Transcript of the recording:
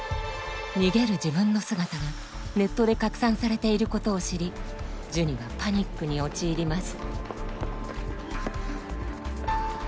逃げる自分の姿がネットで拡散されていることを知りジュニはパニックに陥ります